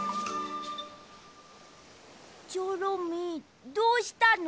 チョロミーどうしたの？